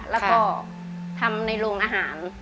แล้วก็ทำในโรงอาหาร